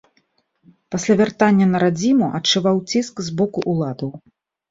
Пасля вяртання на радзіму адчуваў ціск з боку ўладаў.